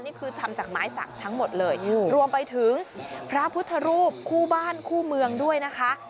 นี่คือทำจากไม้สักทั้งหมดเลยรวมไปถึงพระพุทธรูปคู่บ้านคู่เมืองด้วยนะคะ